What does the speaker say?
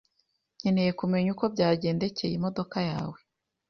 nkeneye kumenya uko byagendekeye imodoka yawe.